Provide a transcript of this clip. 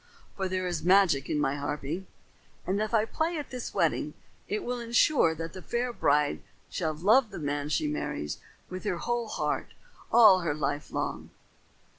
For there is magic in my harping, and if I play at this wedding, it will insure that the fair bride shall love the man she marries with her whole heart all her life long."